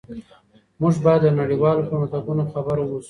موږ بايد له نړيوالو پرمختګونو خبر اوسو.